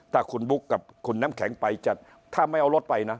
ถ้าคุณบุ๊คกับคุณน้ำแข็งไปจะถ้าไม่เอารถไปนะ